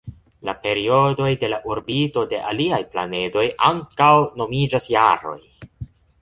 La periodoj de la orbito de aliaj planedoj ankaŭ nomiĝas jaroj.